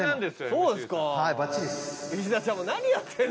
そうですか。